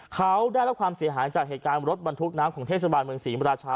เขาได้รับความเสียหายจากเหตุการณ์รถบรรทุกน้ำของเทศบาลเมืองศรีมราชา